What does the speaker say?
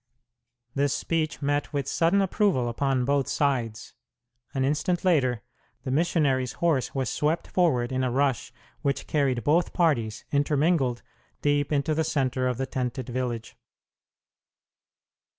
This speech met with sudden approval upon both sides. An instant later the missionary's horse was swept forward in a rush which carried both parties, intermingled, deep into the center of the tented village.